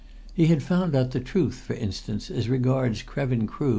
He had found out the truth, for instance, as regards Krevin Crood.